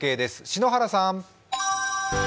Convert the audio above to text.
篠原さん。